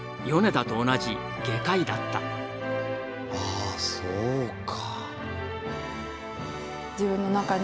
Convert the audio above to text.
あそうか。